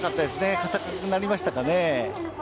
堅くなりましたかね。